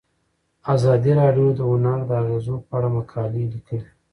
ازادي راډیو د هنر د اغیزو په اړه مقالو لیکلي.